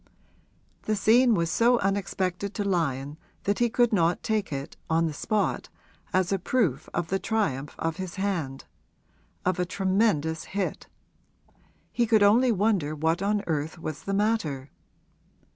The scene was so unexpected to Lyon that he could not take it, on the spot, as a proof of the triumph of his hand of a tremendous hit: he could only wonder what on earth was the matter.